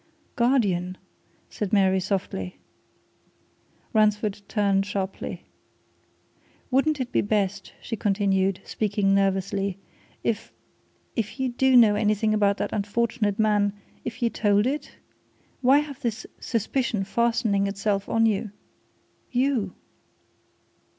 "Guardian!" said Mary softly. Ransford turned sharply. "Wouldn't it be best," she continued, speaking nervously, "if if you do know anything about that unfortunate man if you told it? Why have this suspicion fastening itself on you? You!"